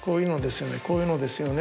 「こういうのですよね」